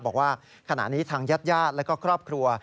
บอกว่าขณะนี้ทางญาติญาติและก็ครอบครัว